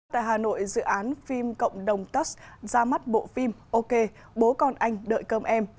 tại hà nội dự án phim cộng đồng tass ra mắt bộ phim ok bố con anh đợi cơm em